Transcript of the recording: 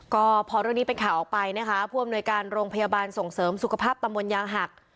ก็พอเรื่องนี้เป็นข่าวออกไปนะคะผู้อำนวยการโรงพยาบาลส่งเสริมสุขภาพตำบลยางหัก